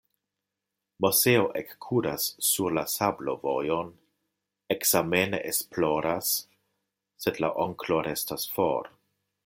Moseo ekkuras sur la sablovojon, ekzamene esploras, sed la onklo restas for.